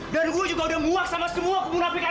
dan gue juga udah muak sama semua kemunafikan lo